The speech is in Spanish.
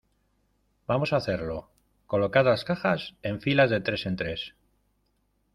vamos a hacerlo. colocad las cajas en filas de tres en tres .